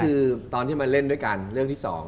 คือตอนที่มาเล่นด้วยกันเรื่องที่๒